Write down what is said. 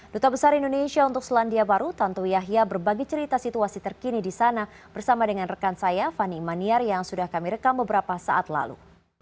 duta besar indonesia untuk selandia baru tanto yahya berbagi cerita situasi terkini di sana bersama dengan rekan saya fani maniar yang sudah kami rekam beberapa saat lalu